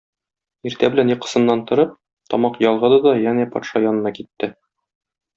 Иртә белән йокысыннан торып, тамак ялгады да янә патша янына китте.